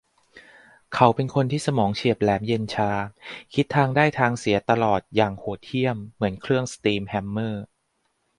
เขาเป็นเหมือนสมองที่เฉียบแหลม เย็นชา คิดทางได้ทางเสียตลอดอย่างโหดเหี้ยมเหมือนเครื่องสตรีมแฮมเมอร์